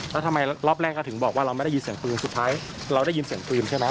แล้วทำไมรอบแรกก็ถึงบอกว่าเราไม่ได้ยินเสียงปืนสุดท้ายเราได้ยินเสียงปืนใช่ไหม